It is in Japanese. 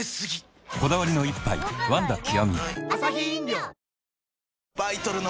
こだわりの一杯「ワンダ極」